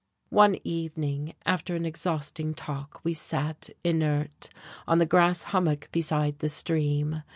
One evening after an exhausting talk we sat, inert, on the grass hummock beside the stream.